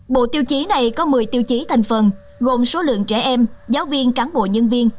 bộ tiêu chí này có một mươi tiêu chí thành phần gồm số lượng trẻ em giáo viên cán bộ nhân viên